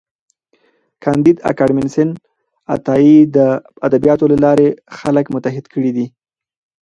کانديد اکاډميسن عطايي د ادبياتو له لارې خلک متحد کړي دي.